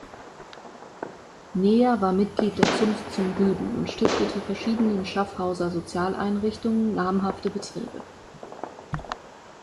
Neher war Mitglied der Zunft zum Rüden und stiftete verschiedenen Schaffhauser Sozialeinrichtungen namhafte Beträge.